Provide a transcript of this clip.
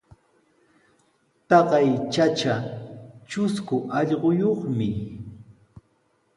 Taqay chacha trusku allquyuqmi.